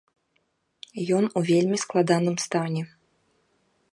Ён у вельмі складаным стане.